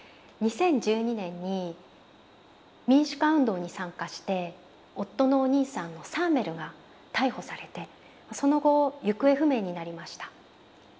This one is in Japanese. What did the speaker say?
２０１２年に民主化運動に参加して夫のお兄さんのサーメルが逮捕されてその後行方不明になりました。